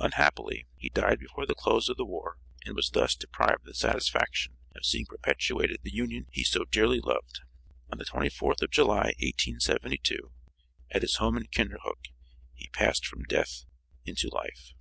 Unhappily he died before the close of the war and was thus deprived the satisfaction of seeing perpetuated the Union he so dearly loved. On the 24th of July, 1872, at his home in Kinderhook, he passed from death into life.